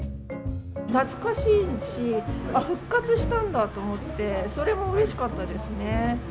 懐かしいし、復活したんだと思って、それもうれしかったですね。